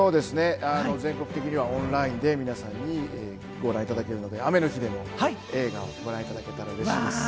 全国的にはオンラインで皆さんにご覧いただけるので、雨の日も映画をご覧いただけたらうれしいです。